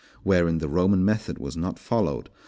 Wherein the Roman method was not followed.